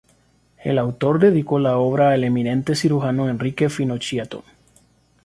El autor dedicó la obra al eminente cirujano Enrique Finochietto.